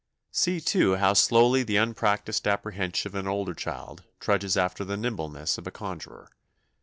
See, too, how slowly the unpractised apprehension of an older child trudges after the nimbleness of a conjurer.